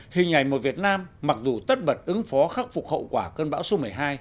hình ảnh một việt nam mặc dù tất bật ứng phó khắc phục hậu quả cơn bão số một mươi hai